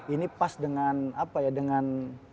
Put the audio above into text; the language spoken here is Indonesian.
ini pas dengan